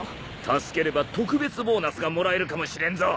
助ければ特別ボーナスがもらえるかもしれんぞ。